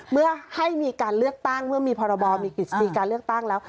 เมื่อให้มีการเลือกตั้งเมื่อมีพรบมีกฤษฎีการเลือกตั้งแล้ว